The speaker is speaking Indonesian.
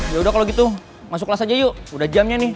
yaudah kalo gitu masuk kelas aja yuk udah jamnya nih